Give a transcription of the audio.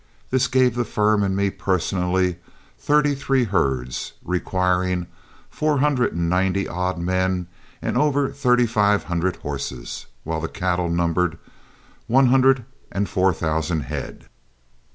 This gave the firm and me personally thirty three herds, requiring four hundred and ninety odd men and over thirty five hundred horses, while the cattle numbered one hundred and four thousand head.